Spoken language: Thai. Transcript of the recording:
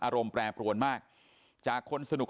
อารมณ์แปรปรวนมากจากคนสนุก